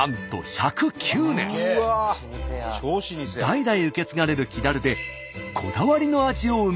代々受け継がれる木樽でこだわりの味を生み出しています。